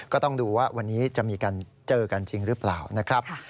ก็ต้องดูว่าวันนี้จะมีการเจอกันจริงหรือเปล่านะครับ